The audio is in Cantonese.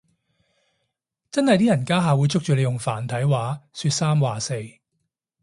真係啲人家下會捉住你用繁體話說三話四